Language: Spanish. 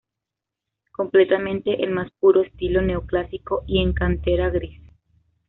Completamente al más puro estilo neoclásico y en cantera gris.